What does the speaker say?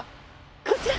こちら！